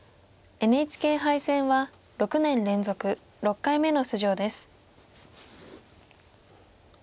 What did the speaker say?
ＮＨＫ杯戦は６年連続６回目の出場です。